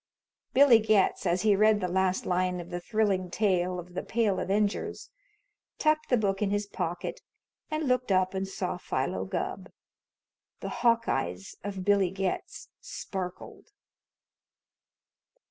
Billy Getz, as he read the last line of the thrilling tale of "The Pale Avengers," tucked the book in his pocket, and looked up and saw Philo Gubb. The hawk eyes of Billy Getz sparkled.